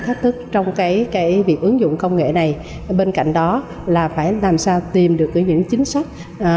các khách thức trong việc ứng dụng công nghệ này bên cạnh đó là phải làm sao tìm được những chính sách